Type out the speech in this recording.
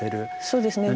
そうですね。